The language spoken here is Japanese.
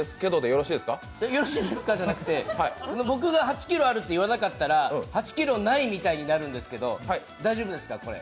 よろしいですかじゃなくて僕が８ｋｇあるって言わなかったら８ｋｇないみたいになるんですけど大丈夫ですか、これ。